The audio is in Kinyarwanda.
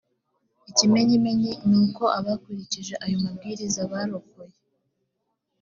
ikimenyimenyi ni uko abakurikije ayo mabwiriza barokoye